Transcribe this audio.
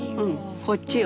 こっちよ。